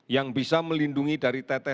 yang bisa melindungi dari teteh